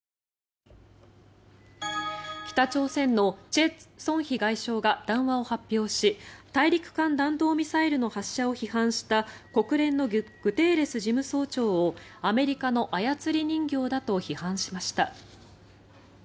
北朝鮮のチェ・ソンヒ外相が談話を発表し大陸間弾道ミサイルの発射を批判した国連のグテーレス事務総長をアメリカの操り人形だと批判しました。